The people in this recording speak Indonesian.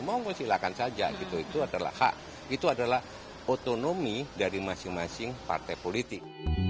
mau mau silakan saja itu adalah hak itu adalah otonomi dari masing masing partai politik